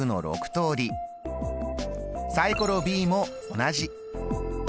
サイコロＢも同じ。